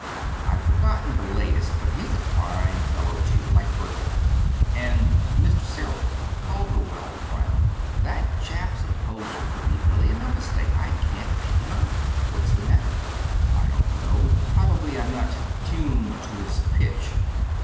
I've forgotten the latest; but he's a fine fellow, too, like Bertram." "And Mr. Cyril?" Calderwell frowned. "That chap's a poser for me, Billy, and no mistake. I can't make him out!" "What's the matter?" "I don't know. Probably I'm not 'tuned to his pitch.'